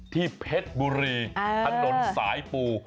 เพชรบุรีถนนสายปู